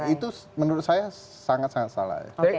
itu menurut saya sangat sangat salah ya